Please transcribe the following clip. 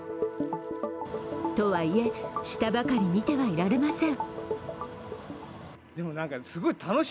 とはいえ、下ばかり見て入られません。